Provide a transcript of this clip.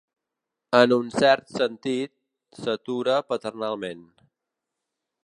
En un cert sentit, s'atura paternalment.